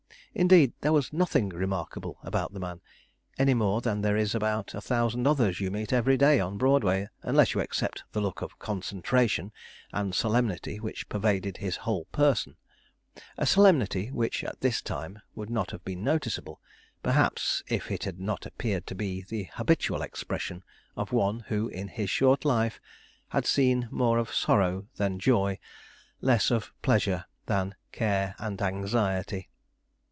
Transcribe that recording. Indeed, there was nothing remarkable about the man, any more than there is about a thousand others you meet every day on Broadway, unless you except the look of concentration and solemnity which pervaded his whole person; a solemnity which at this time would not have been noticeable, perhaps, if it had not appeared to be the habitual expression of one who in his short life had seen more of sorrow than joy, less of pleasure than care and anxiety.